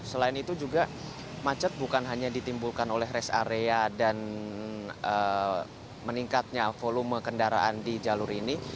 selain itu juga macet bukan hanya ditimbulkan oleh res area dan meningkatnya volume kendaraan di jalur ini